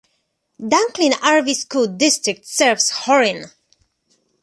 Dunklin R-V School District serves Horine.